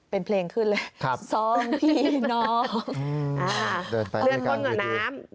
เป็นเพลงขึ้นเลยซองพี่น้องอ่าเดินขึ้นหน่อยน้ำ